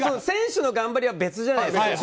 選手の頑張りは別じゃないですか。